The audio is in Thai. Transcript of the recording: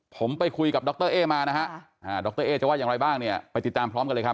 ผมไปคุยกับดรเอ๊มานะฮะดรเอ๊จะว่าอย่างไรบ้างเนี่ยไปติดตามพร้อมกันเลยครับ